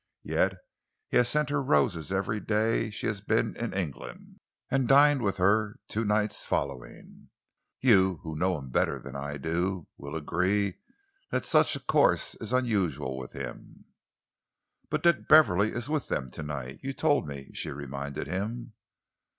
Yet he has sent her roses every day she has been in England, and dined with her two nights following. You, who know him better than I do, will agree that such a course is unusual with him." "But Dick Beverley is with them to night, you told me," she reminded him.